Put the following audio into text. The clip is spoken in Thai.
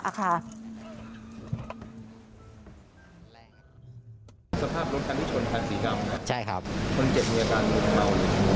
สภาพรถการที่ชนแผ่นสีกล้ำใช่ครับคนเจ็บมีอาการเหมือนกัน